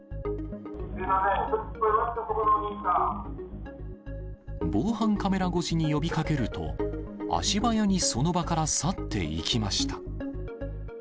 すみません、防犯カメラ越しに呼びかけると、足早にその場から去っていきました。